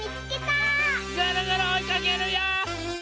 ぐるぐるおいかけるよ！